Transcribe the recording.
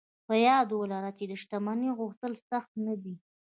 په ياد ولرئ چې د شتمنۍ غوښتل سخت نه دي.